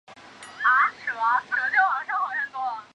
圣女贞德说服王太子查理前往兰斯加冕。